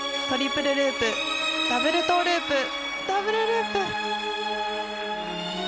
トリプルループ。